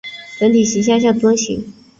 整体像樽形。